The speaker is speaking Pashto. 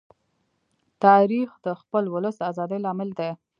تاریخ د خپل ولس د ازادۍ لامل دی.